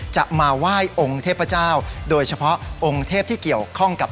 จะมาไหว้องค์เทพเจ้าโดยเฉพาะองค์เทพที่เกี่ยวข้องกับ